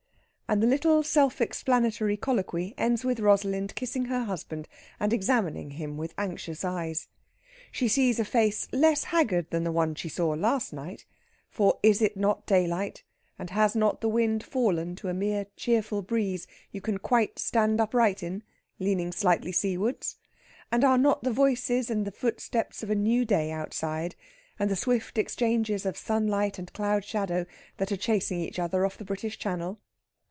And the little self explanatory colloquy ends with Rosalind kissing her husband and examining him with anxious eyes. She sees a face less haggard than the one she saw last night, for is it not daylight and has not the wind fallen to a mere cheerful breeze you can quite stand upright in, leaning slightly seawards? And are not the voices and the footsteps of a new day outside, and the swift exchanges of sunlight and cloud shadow that are chasing each other off the British Channel?